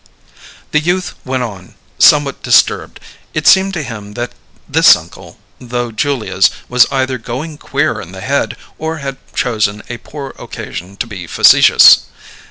The youth went on, somewhat disturbed; it seemed to him that this uncle, though Julia's, was either going queer in the head or had chosen a poor occasion to be facetious.